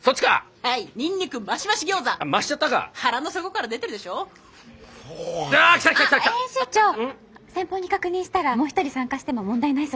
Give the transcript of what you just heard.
編集長先方に確認したらもう一人参加しても問題ないそうです。